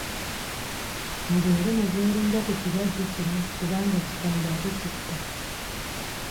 Mubeere mu bwerinde ku kirwadde kino kubanga kikambwe ate kitta.